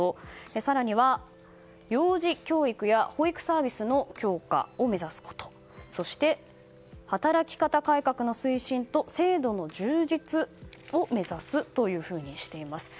更には幼児教育や保育サービスの強化を目指すことそして、働き方改革の推進と制度の充実を目指すとしています。